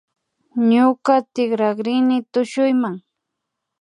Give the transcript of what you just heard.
Ñuka tikrarkani tushuyma